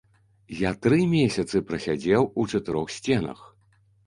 Я тры месяцы прасядзеў у чатырох сценах.